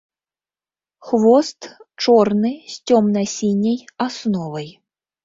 Хвост чорны з цёмна-сіняй асновай.